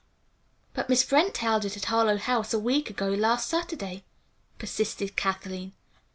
"But Miss Brent held it at Harlowe House a week ago last Saturday," persisted Kathleen.